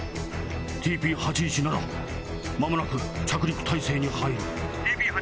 ＴＰ８１７間もなく着陸態勢に入る。